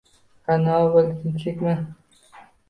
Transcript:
Ha, nima bo`ldi, tinchlikmi